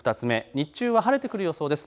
日中は晴れてくる予想です。